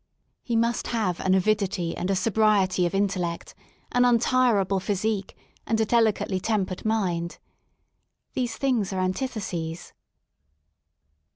He must have an avidity and a sobriety of intellect, an untirable physique and a delicately tern ^pered mind. These things are antitheses.